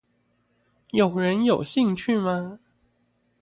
有人有興趣嗎